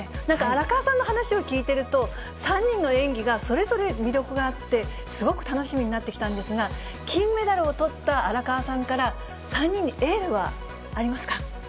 なんか荒川さんの話を聞いていると３人の演技がそれぞれ魅力があって、すごく楽しみになって来たんですが、金メダルをとった荒川さんから、３人にエールはありますか。